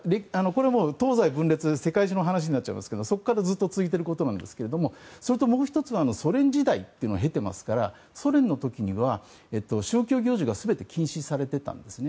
世界中の話になっちゃいますが東西分裂以降そこからずっと続いていることなんですがそして、もう１つはソ連時代というのを経ていますからソ連の時には宗教行事が全て禁止されていたんですね。